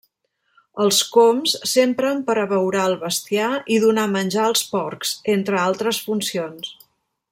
Els cóms s'empren per abeurar el bestiar i donar menjar als porcs, entre altres funcions.